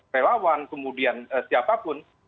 relawan kemudian siapapun